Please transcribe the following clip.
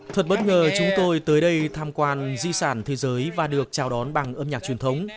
thật bất ngờ chúng tôi tới đây tham quan di sản thế giới và được chào đón bằng âm nhạc truyền thống